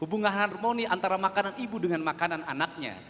hubungan harmoni antara makanan ibu dengan makanan anaknya